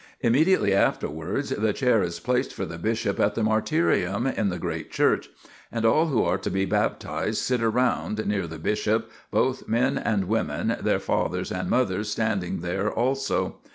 Immediately afterwards the chair is placed for the bishop at the martyrium in the great church, and all who are to be baptised sit around, near the bishop, both men and women, their fathers and mothers standing there also.